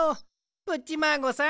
プッチマーゴさん